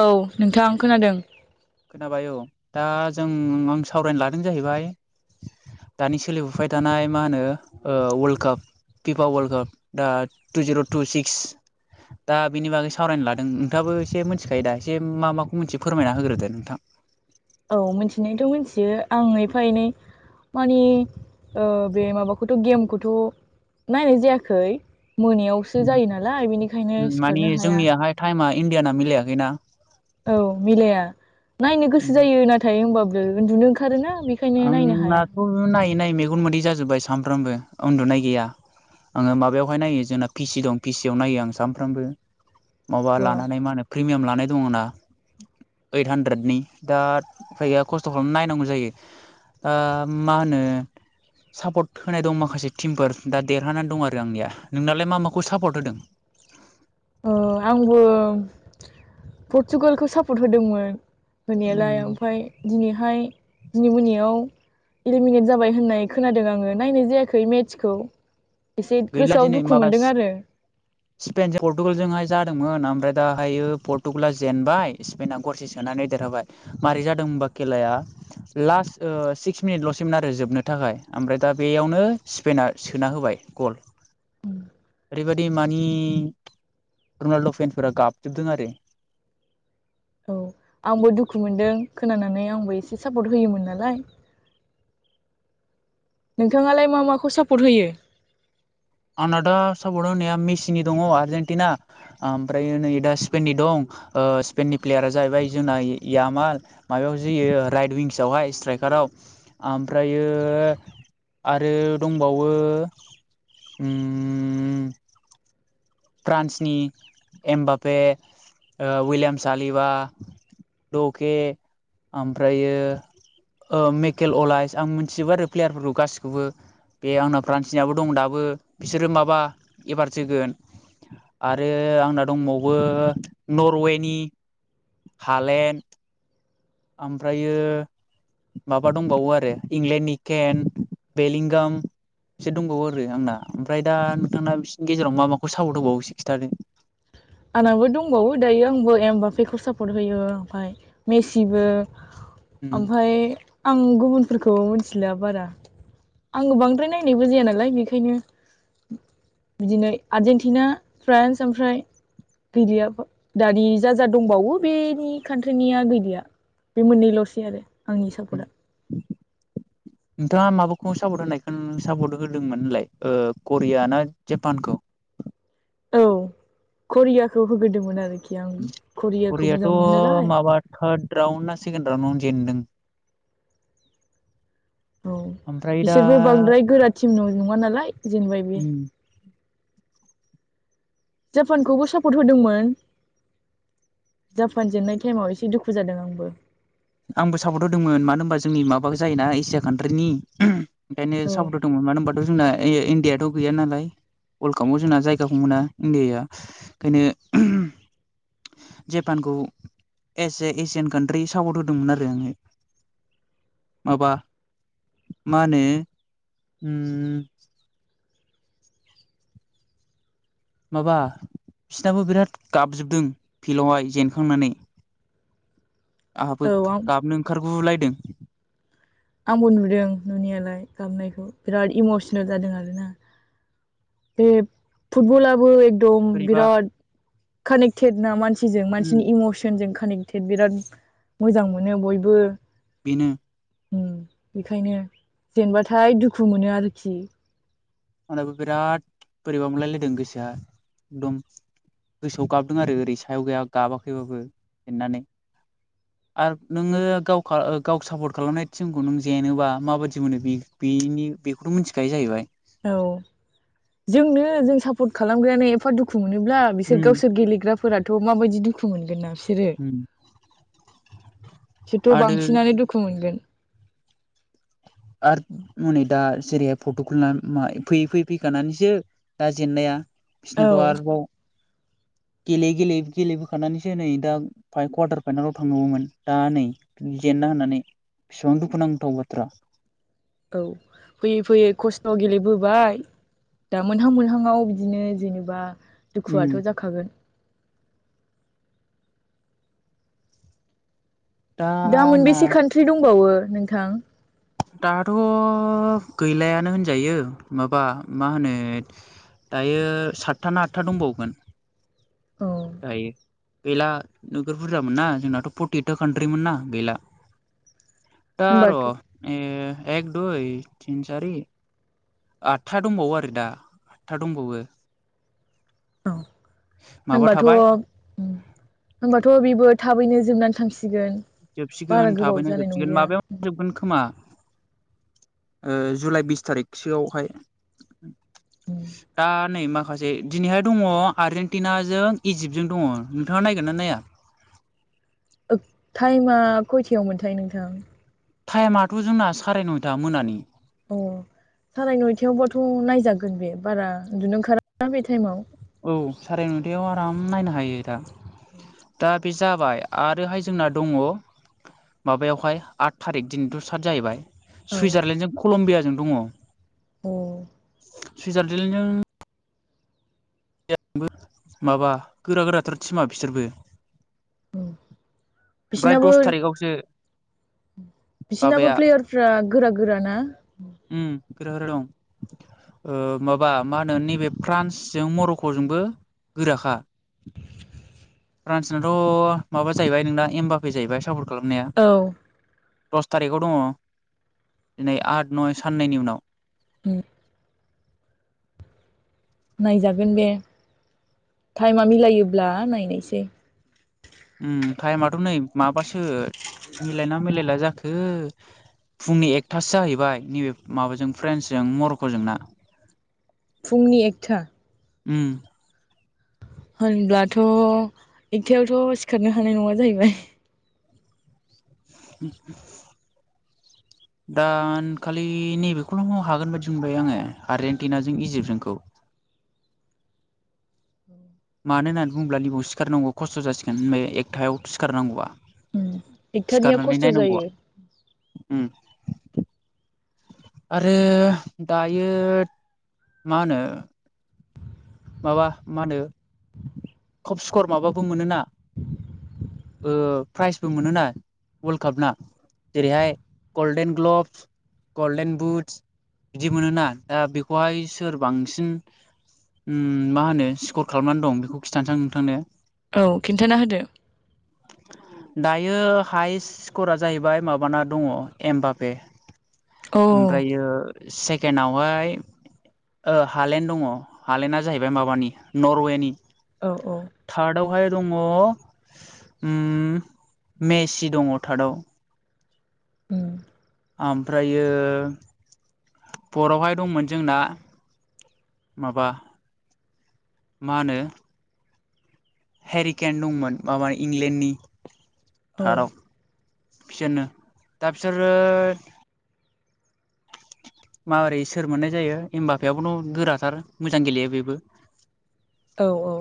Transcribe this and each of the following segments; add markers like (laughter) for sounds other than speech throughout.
औ नोंथा आं खोनादों खोनाबाय औ दा जों आं सावरायनो लादों जाहैबाय दानि सोलिबोबाय थानाय मा होनो ओ world cup FIFA world cup दा टु जिर' टु सिक्स दा बिनि बागै सावरायनो लादों नोंथाङाबो एसे मोनथिखायो दा एसे मा माखौ मोनथियो फोरमायना होग्रोदो नोंथां औ मिथिनायथ' मिथियो आं एफा एनै मानि ओ बे माबाखौथ' गेमखौथ' नायनाय जायाखै मोनायावसो जायो नालाय बेनिखायनो मानि सिखारनो हाया जोंनियाहाय टाइमा इण्डियाना मिलायाखैना औ मिलाया नायनो गोसो जायो नाथाय होनबाबो उन्दुनो ओंखारोना बेखायनो नायनो हाया आंनाथ' नायै नायै मेगन मोदै जाजोब्बाय सामफ्रामबो उन्दुनाय गैया आङो माबायावहाय नायो जोंना पिसि दं पिसियाव नायो आं सानफ्रामबो माबा बा लानानै मा होनो प्रिमियाम लानानै दङ आंना ओइट हानद्रेदनि दा उफाय गैया खस्थ' खालामनानै नायनांगौ जायो ओ मा होनो सापर्ट होनाय दं माखासे टिमफोर दा देरहानानै दं आरो आंनिया नोंनालाय मा माखौ सापर्ट होदों ओ आंबो पर्तुगालखौ सापर्ट होदोंमोन होनायालाय ओमफ्राय दिनैहाय दिनै मोनायाव इलिमिनेट जाबाय होननाय खोनादों आङो नायनाय जायाखै मेट्सखौ एसे गैला गोसोआव दिनै दुखु माबा मोनदों आरो स्पेनजों पर्टुगालजोंहाय जादोंमोन ओमफ्राय दाहायो पर्टुगाला जेनबाय स्पेना गरसे सोनानै देरहाबाय मारै जादों होनबा खेलाया लाससिक्स मिनिटल'सिम आरो जोबनो थाखाय ओमफ्राय दा बेयावनो स्पेना सोना होबाय गल ओरैबायदि मानि रनाल्द' फेन्सफोरा गाबजोबदों आरो औ आंबो दुखु मोनदों खोनानानै आंबो एसे सापर्ट होयोमोन नालाय नोंथाङालाय मा माखौ सापर्ट होयो? आंना दा सापर्ट नैया मेसिनि दङ आर्जेनटिना ओमफ्राय नै दा स्पेननि दं। ओ स्पेननि प्लेयारा जाहैबाय जोंना यामाल माबायाव जोयो राइट विंसआवहाय स्ट्राइकार फ्राव आमफ्रायो आरो दंबावो उम फ्रान्सनि एमबाबे ओ वइलियामस आलिभा दके ओमफ्रायो ओ मेकेल अलाइस आं मिथिजोबो आरो प्लेयारफोरखौ गासिखौबो बे आंना फ्रान्सनियाबो दं दाबो बिसोरो माबा एबार जोगोन आरो आंना दंबावो नरवेनि हालेण्ड ओमफ्रायो माबा दंबावो आरो इंलेण्डनि केन, बेलिंगाम बिसोर दंबावो आरो आंना ओमफ्राय दा नोंथांना बिसोरनि गेजेराव मा माखौ सापर्ट होबावो खिथा दे (inaudible) आंनाबो दंबावो दायो आंबो एम बाफेखौ सापर्ट होयो ओमफाय मेसिबो ओमफ्राय आं गुबुनफोरखौ मोनथिला बारा। आङो बांद्राय नायनायबो जाया नालाय बेखायनो बिदिनो आर्जेनटिना फ्रान्स ओमफ्राय गैलिया दानि जाजा दंबावो बेनि कान्ट्रिनिया गैलिया। बे मोननैल'सै आरो आंनि सापर्ट आ नोंथाङा माबाखौ सापर्ट होनायखौ सापर्ट होदोंमोन होनलाय करिया ना जापानखौ औ करियाखौ होग्रोदोंमोन आरो करियाथ' माबा थार्द राउड ना सेकेण राउडनावनो जेनदों। औ ओमफ्राय दा बिसोरबो बांद्राय गोरा टिम आव नङा नालाय जेनेबाय बि उम जापानखौबो सापट होदोंमोन। जापान जेननाय टाइमाव एसे दुखु जादों आंबो। आंबो सापर्ट होदोंमोन मानो होनबा जोंनि माबाखौ जायोना एसिया कान्ट्रिनि ओंखायनो औ सापर्ट होदोंमोन मानो होनबाथ' जोंना इ इण्डियाथ' गैया नालाय। वर्ल्ड कापआव जोंना जायगाखौ मोना इण्डियाआ ओंखायनो जेपानखौ as a Asian country support होदोंमोन आरो आङो। माबा मा होनो उम माबा बिसनाबो बिराद गाबजोबदों फिल्डावहाय जेनखांनानै। (inaudible) आंहाबो औ आं गाबनो ओंखार गुलायदों। आंबो नुदों नुनायालाय गाबनायखौ बिराद इमसनेल जादों आरोना। बे फुटबलाबो एक दम बोरैबा बिराद कानेक्टेड ना मानसिजों उम मानसिनि इमसनजों कानेक्टेड बिराद मोजां मोनो बयबो। बेनो उम बेखायनो जेनबाथाय दुखु मोनो आरोखि। आंनाबो बिराद बोरैबा मोनलायलायदों गोसोआ एकदम गोसोआव गाबदों आरो ओरै सायाव गैया गाबाखैबाबो जेननानै। आर नोङो गाव खा गाव सापर्ट खालामनाय टिमखौ नों जेेनोबा माबायदि मोनो बे बे बेनि बेखौथ' मिथिखायो जाहैबाय? औ जोंनो जों सापर्ट खालामग्रायानो एफा दुखु मोनोब्ला बिसोर उम गावसोर गेलेग्राफोराथ' माबायदि दुखु मोनगोन ना? बिसोरो उम बिसोरथ' आरो बांसिनानो दुखु मोनगोन। आरो हनै दा जेरैहाय फर्टगुलना फैयै फैयै फैखानानैसो दा जेननाया औ बिसिनाथ' आरोबाव (inaudible) गेलेयै गेलेयै गेलेबोखानानैसो नै दा फा कवारटार फाइनेलाव थांनांगौमोन दा नै जेन ना होननानै बेसेबां दुखुनांथाव बाथ्रा। औ फैयै फैयै खस्थ' गेलेबो बाय दा मोनहां मोनहाङाव बिदिनो जेनेबा उम दुखुआथ' जाखागोन। दा मोनबेसे कान्ट्रि दंबावो नोंथां? दाथ' गैलायानो होनजायो माबा मा होनो दायो सातथा ना आठथा दंबावोमोन औ दायो गैला नोगोर बुरजामोनना जोंनाथ' फर्टिएइदथा कान्ट्रिमोन ना गैला। दा र' होनबाथ' ए एक दुइ तिन चारि आठथा दंबावो आरो दा आठथा दंबावो। औ माबा होनबाथ' थाबाय होनबाथ' बिबो थाबैनो जोबनानै थांसिगोन। बारा जोबसिगोन गोबाव थाबैनो जानाय जोबसिगोन नंलिया माबायाव जोबगोन खोमा ओ जुलाइ बिस थारिखसोआवहाय दा नै मा माखासे दिनैहाय दङ आर्जेेनटिनाजों इजिप्टजों दङ। नोंथाङा नायगोन ना नाया? ओ टाइमा खयथायाव मोनथाय नोंथां? टाइमाथ' जोंना साराय नयथा मोनानि। अ साराय नयथायावबाथ' नायजागोन बे बारा उन्दुनो ओंखारा‌ ना बे टाइमाव। औ साराय नयथायाव आराम नायनो हायो दा। उम दा बे जाबाय आरोहाय जोंना दङ माबायावहाय आट थारिख दिनैथ' स्टार्ट जाहैबाय। सुइजारलेण्डजों कलम्बियाजों दङ। औ सुइजारलेण्डजों आंबो माबा गोरा गोराथार थिमा बिसोरबो। औ ओमफ्राय दस थारिखावसो बिसिनाबो माबाया प्लेयारफ्रा गोरा गोराना? उम गोरा गोरा दं। ओ माबा मा होनो नैबे फ्रान्सजों मर'क'जोंबो गोराखा। फ्रान्सनाथ' माबा जाहैबाय नोंना एम बापे जाहैबाय सापर्ट खालामनाया। औ दस थारिखाव दङ दिनै आद नय साननैनि उनाव। उम नायजागोन बेे टाइमा मिलायोब्ला नायनोसै। उम टाइमाथ' नै माबासो मिलायना मिलायला जाखो! फुंनि एकथासो जाहैबाय नैबे माबाजों फ्रेन्सजों मर'क'जोंना। फुंनि एकथा उम होनब्लाथ' एकथायावथ' सिखारनो हानाय नङा जाहैबाय। उ (inaudible) दान खालि नैबेखौल' हागोन बादि बमोनबाय आङो आर्जेनटिनाजों इजिप्टजोंखौ। (inaudible) मानो होननानै बुङोब्ला निबाव सिखारनांगौ खस्थ' जासिगोन होन एकथायाव सिखारनांगौआ। उम एकथानिया सिखारनानै खस्थ' नायनांगौआ। जायो उम आरो दायो मा होनो माबा मा होनो खब स्कर माबाबो मोनोना ओ प्राइजबो मोनोना वर्ल्ड काप ना। जेरैहाय गल्डेन ग्लभ्स, गल्डेन बुट्स, बिदि मोनोना दा बेखौहाय सोर बांसिन मा होनो स्कर खालामनानै दं बेखौ खिन्थानोसां नोंथांनो। औ खिन्थाना होदो। दायो हायेस्ट स्करा जाहैबाय माबाना दङ एम बापे औ ओमफ्रायो सेकेणडावहाय ओ हालेण्ड दङ। हालेणडआ जाहैबाय माबानि नरवेनि। औ औ बेहाय दङ उम मेसि दङ थार्दाव। ओ ओमफ्रायो फरावहाय दंमोन जोंना माबा मा होनो हेरि केन् दंमोन माबानि इंलेण्डनि औ थाराव बिसोरनो दा बिसोरो माबोरै सोर मोननाय जायो एम बापेयाबोथ गोराथार मोजां गेलेयो बेबो। औ औ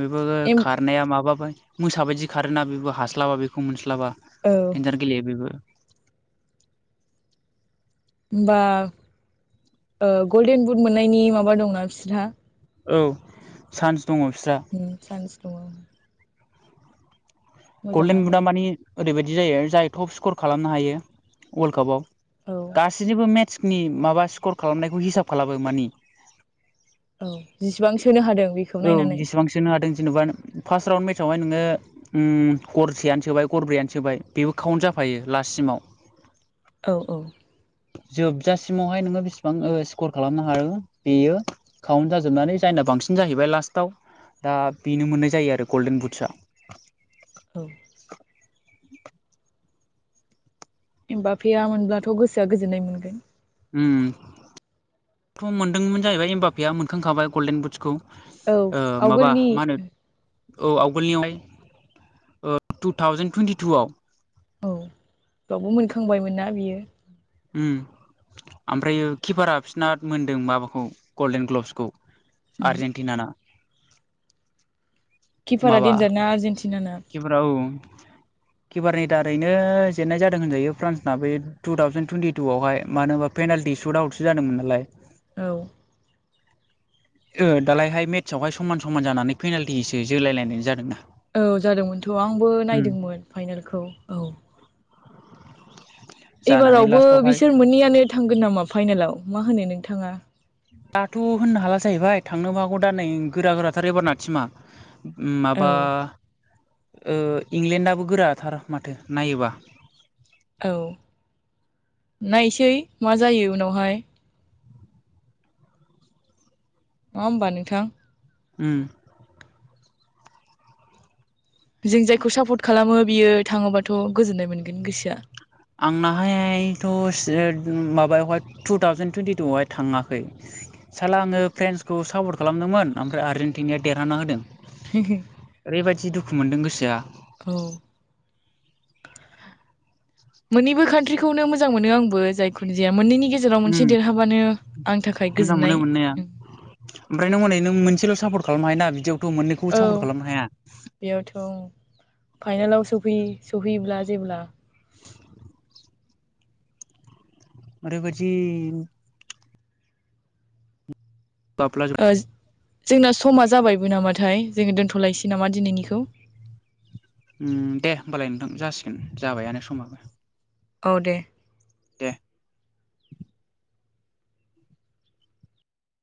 बेबो एम खारनाया माबाबाय मोसाबायदि खारोना बेबो हास्लाबा बेखौ मोनस्लाब मोनस्लाबा औ देन्जार गेलेयो बेबो। होमबा ओ गल्डेन बुद मोननायनि माबा दंना बिसोरहा? औ सान चान्स दङ गल्डेन मोजाङानो बिुदाम मानि ओरैबायाददि जायो जाय टप स्कर खालामनो हायो वर्ल्ड कापाव औ गासैनिबो मेट्सनि माबा स्कर खालामनायखौ हिसाब खालामो मानि औ जिसिबां सोनो हादों बेखौ औ नायनानै जेसेबां सोनो हादों जेनबा फार्स्ट राउन्ड मेटावहाय नोङो गरसेआनो सोबाय गरब्रैयानो सोबाय बेबो काउन्ट जाफै फायो लाससिमाव औ औ जोबजासिमावहाय नोङो ओ बेसिबां स्कर खालामनो हाग बेयो काउन्ट जाजोबनानै जायना बांसिन न जाहैबाय लास्टाव दा बेनो मोननाय जायो आरो गल्डेन बुट्सआ औ एमफा फेया मोनब्लाथ गोसोआ गोजोननाय मोनगोन। उम थ मोनदोंमोन जाहैबाय हबाफया मोनखांखाबाय गल्डेन बुदसखौ। औ ओ माबा आवगोलनि मा होनो? औ आवगोलनियावहाय ओ टु थावजेेन टुवन्टि टुवाव औ बावबो मोनखांबायमोनना बियो। उम ओमफ्राय किपारा बिसना मोनदों माबाखौ गल्डेन ग्लबसखौ। आजेन्टिना ना किपारा माबा दन्जारना आरजेेनटिन ना। किपारा औ किपारनि दारैनो जेननाय जादों होनजायो फ्रान्सना बे टु थावजेन टुइनटि टु आवहाय मानो होनबा फे सु आसो जादोंमोन नालाय। औ ओ दालायहाय मेट्सआवहाय समान समान जानानै पेनाल्टिजों जोलायलायनाय जादोंना। औ जादोंमोनथ आंबो नायदोंमोन फाइनेलखौ औ जानानै एबारावबो लास्टावहाय बिसोर मोननैयानो थांगोन नामा फाइनेलाव मा होनो नोंथाङा? दाथ होननो हाला जाहैबाय थांनोबो हागौ दा नै गोरा गोराथार एबार नाथिमा। उम औ माबा ओ इंलेण्डआो गोराथार माथो नायोबा। औ नायसै मा जायो उनावहाय। नङा होमबा नोंथां? उम जों जायखौ सापर्ट खालामो बियो थाङोबाथ' गोजोननाय मोनगोन गोसोआ। आंनाहायथ' माबायावहाय टु थावजेन टुइन्टिटुवहाय थाङाखै। सारला आङो फ्रेन्सखौ सापर्ट खालामदोंमोन ओमफ्राय आर्जेेनटिनाया देरहाना होदों। ओरैबायदि दुखु मोनदों गोसोआ। औ मोननैबो कान्ट्रिखौनो मोजां मोनो आंबो जायखोनो जाया मोननैनि गेजेराव उम मोनसे देरहाबानो आंनि थाखाय मोजां मोनो गोजोननाय। मोननाया ओमफ्राय नों हनै नों मोनसेल' सापर्ट खालामनो हायो ना बिदियावथ' मोननैखौबो औ सापर्ट खालामनो हाया। फाइनलाव सफैयो सफैयोब्ला जेब्ला आरोरैबादि माब्ला जागोन ओ जोंना समा जाबायबो नामाथाय जोङो दोनथ'लायसै नामा दिनैनिखौ? उम दे होमबालाय नोंथां जासिगोन जाबायानो समाबो औ दे दे